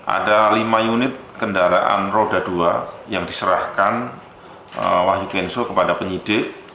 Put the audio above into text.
ada lima unit kendaraan roda dua yang diserahkan wahyu kenso kepada penyidik